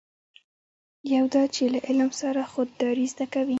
یو دا چې له علم سره خودداري زده کوي.